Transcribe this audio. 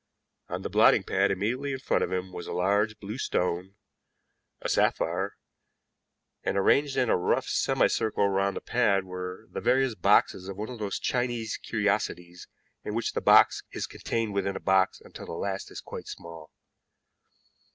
On the blotting pad immediately in front of him was a large blue stone a sapphire and arranged in a rough semicircle round the pad were the various boxes of one of those Chinese curiosities in which box is contained within box until the last is quite small.